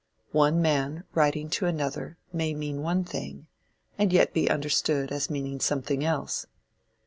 One man writing to another, may mean one thing, and yet be understood as meaning something else.